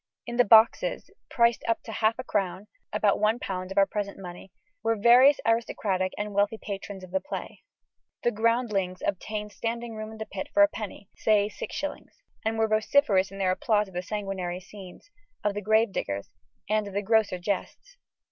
In the boxes priced up to half a crown (about £1 of our present money) were various aristocratic and wealthy patrons of the play. The "groundlings" obtained standing room in the pit for a penny (say 6d.) and were vociferous in their applause of the sanguinary scenes, of the Gravediggers, and of the grosser jests.